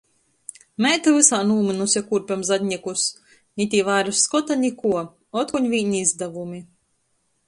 Meita vysā nūmynuse kūrpem zadnīkus, ni tī vaira skota, ni kuo. Otkon vīni izdavumi!